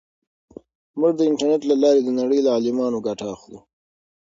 موږ د انټرنیټ له لارې د نړۍ له عالمانو ګټه اخلو.